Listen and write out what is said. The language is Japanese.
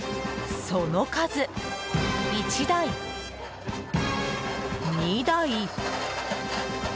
その数、１台、２台。